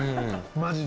マジで。